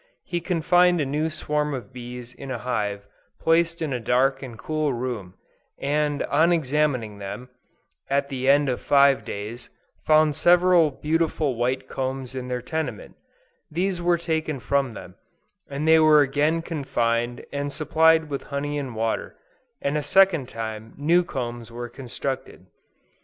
He confined a new swarm of bees in a hive placed in a dark and cool room, and on examining them, at the end of five days, found several beautiful white combs in their tenement: these were taken from them, and they were again confined and supplied with honey and water, and a second time new combs were constructed.